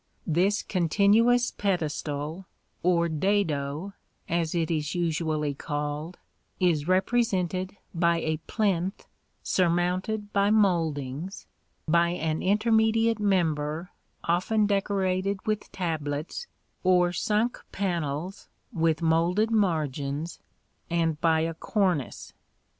This continuous pedestal, or "dado" as it is usually called, is represented by a plinth surmounted by mouldings, by an intermediate member often decorated with tablets or sunk panels with moulded margins, and by a cornice.